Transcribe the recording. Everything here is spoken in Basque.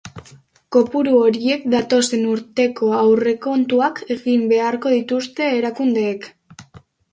Kopuru horiekin datozen urteko aurrekontuak egin beharko dituzte erakundeek.